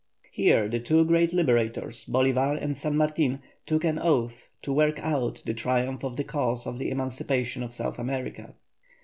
Here the two great liberators, BOLÍVAR and SAN MARTIN, took an oath to work out the triumph of the cause of the emancipation of South America.